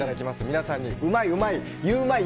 皆さんに、うまい、うまいゆウマい！